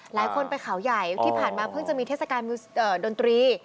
หลายคนไปเขาใหญ่ที่ผ่านมาเพิ่งจะมีเทศกาลดนตรี